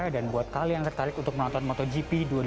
dan buat kalian yang tertarik untuk menonton motogp dua ribu dua puluh dua